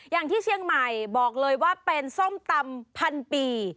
อย่างที่เชียงใหม่บอกเลยว่าเป็นส้มตำพันปี